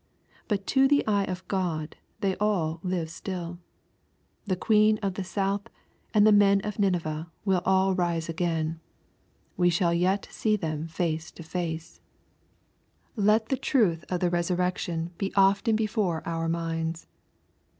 But to the eye of God they all live still. The queen of the south and the men of Nineveh will all rise again. We shall yet see them face to face. LUKE^ CHAP. XI. 36 Let the truth of the resurrection be often before our minds.